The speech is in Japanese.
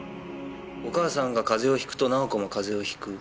お母さんが風邪をひくと奈緒子も風邪をひく。